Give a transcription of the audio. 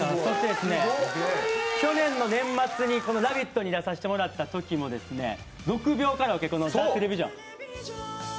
去年の年末に「ラヴィット！」に出させてもらったときもこの「ザ・テレビジョン」。